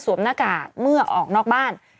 หน้ากากเมื่อออกนอกบ้าน